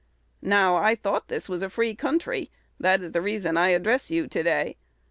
Now, I thought this was a free country: that is the reason I address you today.